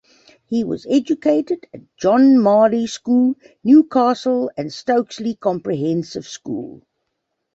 He was educated at John Marlay School, Newcastle and Stokesley Comprehensive School.